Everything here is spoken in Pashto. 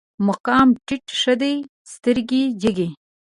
مقام ټيټ ښه دی، سترګې جګې